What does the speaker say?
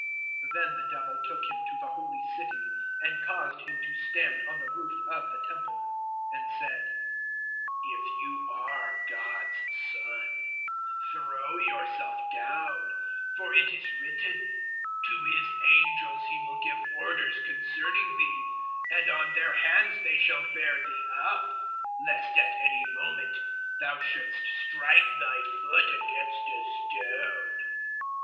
'" 004:005 Then the Devil took Him to the Holy City and caused Him to stand on the roof of the Temple, 004:006 and said, "If you are God's Son, throw yourself down; for it is written, "`To His angels He will give orders concerning thee, and on their hands they shall bear thee up, lest at any moment thou shouldst strike thy foot against a stone.'"